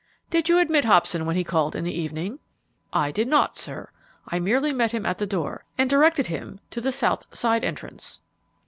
"Did you admit Hobson when he called in the evening?" "I did not, sir. I merely met him at the door and directed him to the south side entrance."